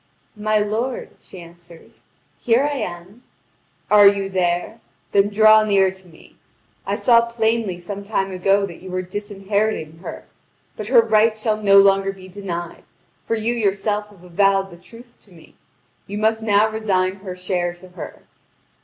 "My lord," she answers, "here I am." "Are you there? Then draw near to me! I saw plainly some time ago that you were disinheriting her. But her right shall no longer be denied; for you yourself have avowed the truth to me. You must now resign her share to her."